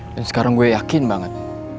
dan sekarang gue yakin banget